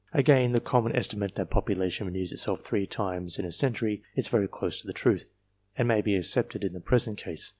Again, the common estimate that popu lation renews itself three times in a century is very close 330 THE COMPARATIVE WORTH to the truth, and may be accepted in the present case.